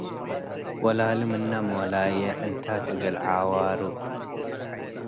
ወላሊ መነ ሞላዬ - ዕንታት እግል ዓዋሩ